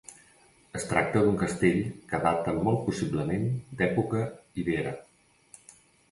Es tracta d'un castell que data molt possiblement d'època ibera.